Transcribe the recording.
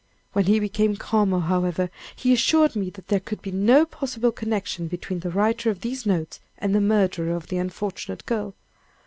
When he became calmer, however, he assured me that there could be no possible connection between the writer of these notes and the murderer of the unfortunate girl.